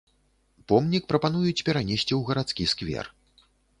Помнік прапануюць перанесці ў гарадскі сквер.